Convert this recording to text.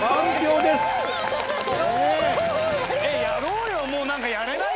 やろうよもう何かやれないかな？